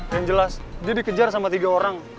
yang jelas dia dikejar sama tiga orang